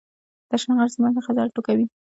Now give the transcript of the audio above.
د اشنغر سيمه غزل ټوکوي